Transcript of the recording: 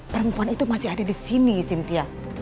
perempuan itu masih ada di sini cynthia